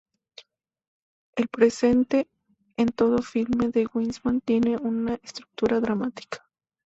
El presente en todo film de Wiseman tiene una estructura dramática.